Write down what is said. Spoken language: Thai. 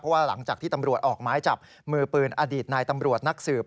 ว่าหลังจากที่ตำรวจออกไม้จับมือปืนอดีตนายตำรวจนักสืบ